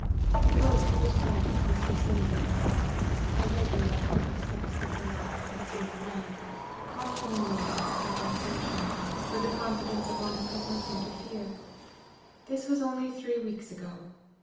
He wrote to his friend, Mr. Simeon, " I read your letter, of 6th of July, 1809, cautioning me against over exertion, with the con fidence of one who had nothing to fear. This was only three weeks ago.